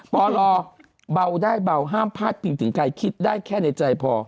ปลเบาได้เบาห้ามพาดพิงถึงใครคิดได้แค่ในใจพอ